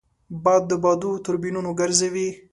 باد د بادو توربینونه ګرځوي